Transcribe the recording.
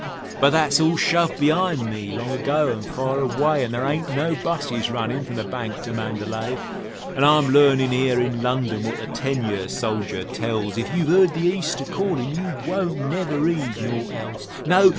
But that's all shove be'ind me long ago an' fur away, An' there ain't no 'busses runnin' from the Bank to Mandalay; An' I'm learnin' 'ere in London what the ten year soldier tells: "If you've 'eard the East a callin', you won't never 'eed naught else." No!